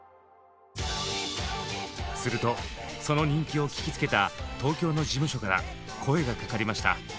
するとその人気を聞きつけた東京の事務所から声が掛かりました。